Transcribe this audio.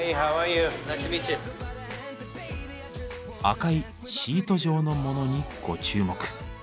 赤いシート状のモノにご注目。